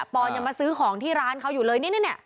อนยังมาซื้อของที่ร้านเขาอยู่เลยนี่